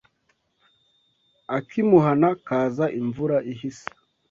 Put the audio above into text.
Ak’imuhana kaza imvura ihise